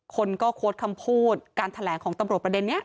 คนก็โค้ดคำพูดการแถลงของตำรวจประเด็นนี้